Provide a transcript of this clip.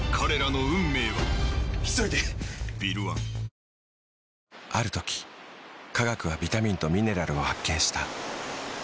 「メリット」ある時科学はビタミンとミネラルを発見した。